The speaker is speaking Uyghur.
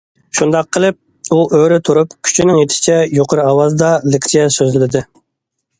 شۇنداق قىلىپ ئۇ ئۆرە تۇرۇپ كۈچىنىڭ يېتىشىچە يۇقىرى ئاۋازدا لېكسىيە سۆزلىدى.